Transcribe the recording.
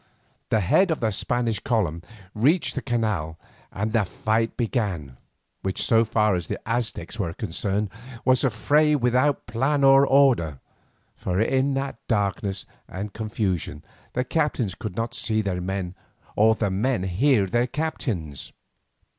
The head of the Spanish column reached the canal and the fight began, which so far as the Aztecs were concerned was a fray without plan or order, for in that darkness and confusion the captains could not see their men or the men hear their captains.